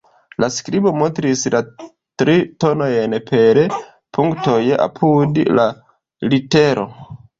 La skribo montris la tri tonojn per punktoj apud la litero.